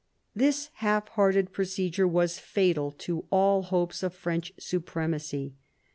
This half hearted procedure was fatal to all hopes of French supremacy.